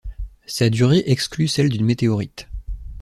Sa durée exclut celle d'une météorite.